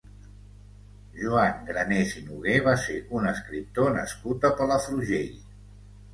Joan Granés i Noguer va ser un escriptor nascut a Palafrugell.